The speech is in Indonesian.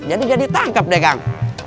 jadi enggak ditangkep kang